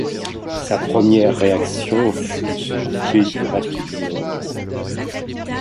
Sa première réaction fut de se couper du reste du monde.